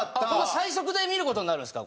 最速で見る事になるんですか？